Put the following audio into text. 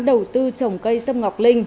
đầu tư trồng cây sâm ngọc linh